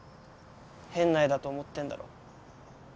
変な絵だと思ってんだろ